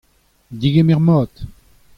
Degemer mat !